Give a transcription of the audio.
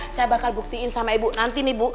saya bakal buktiin sama ibu nanti nih bu